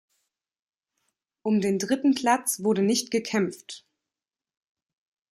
Um den dritten Platz wurde nicht gekämpft.